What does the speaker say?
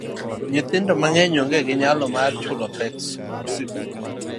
Nyithindo mang'eny onge gi nyalo mar chulo pes skul.